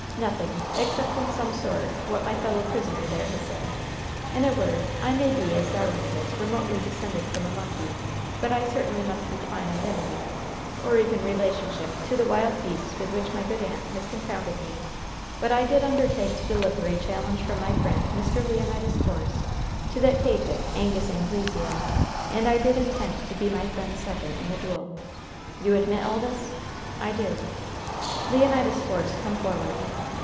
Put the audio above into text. "Nothing, except in some sort what my fellow prisoner there has said. In a word, I may be, as Darwin says, remotely descended from a monkey, but I certainly must decline identity, or even relationship, to the wild beasts with which my good aunt has confounded me. But I did undertake to deliver a challenge from my friend Mr. Leonidas Force to that caitiff Angus Anglesea, and I did intend to be my friend's second in the duel." "You admit all this?" "I do." "Leonidas Force, come forward."